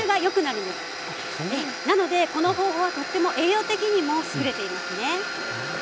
なのでこの方法はとっても栄養的にも優れていますね。